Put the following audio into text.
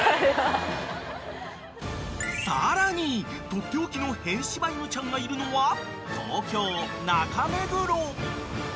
［さらにとっておきの変柴犬ちゃんがいるのは東京中目黒］